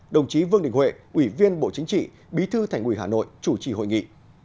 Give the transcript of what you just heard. đồng chí vương đình huệ ủy viên bộ chính trị bí thư thành ủy hà nội chủ trì hội nghị